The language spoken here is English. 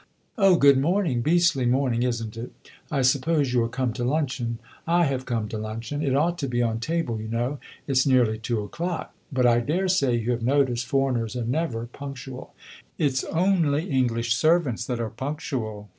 "Oh, good morning! Beastly morning, is n't it? I suppose you are come to luncheon I have come to luncheon. It ought to be on table, you know it 's nearly two o'clock. But I dare say you have noticed foreigners are never punctual it 's only English servants that are punctual.